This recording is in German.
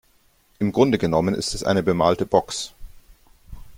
Im Grunde genommen ist es eine bemalte Box.